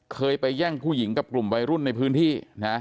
เคยไปแย่งผู้หญิงกับกลุ่มวัยรุ่นในพื้นที่นะ